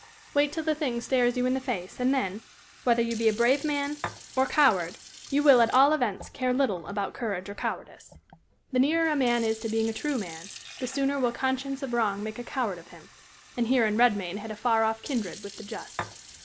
Wait till the thing stares you in the face, and then, whether you be brave man or coward, you will at all events care little about courage or cowardice. The nearer a man is to being a true man, the sooner will conscience of wrong make a coward of him; and herein Redmain had a far off kindred with the just.